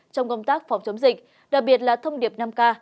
trong công tác phòng chống dịch đặc biệt là thông điệp năm k